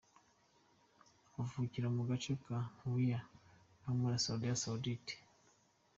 Avukira mu gace ka Riyadh ho muri Arabia Saudite.